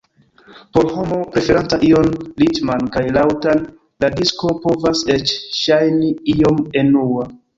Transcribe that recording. Por homo preferanta ion ritman kaj laŭtan, la disko povas eĉ ŝajni iom enua.